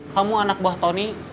kamu anak buat tony